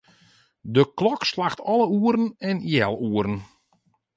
De klok slacht alle oeren en healoeren.